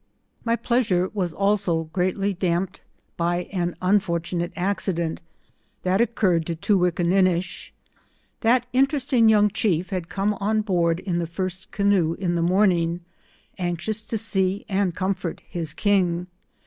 My pleasure was also greatly damped by an un fortunate accident that occurred to Toowinndkia nish. That interesting young chief had come on board in the first canoe in the morning, anxious to see and comfort his ki.jg.